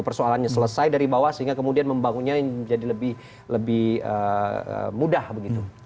persoalannya selesai dari bawah sehingga kemudian membangunnya menjadi lebih mudah begitu